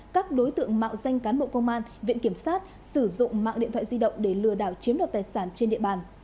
các đối tượng mạo danh cán bộ công an viện kiểm sát sử dụng mạng điện thoại di động để lừa đảo chiếm đoạt tài sản trên địa bàn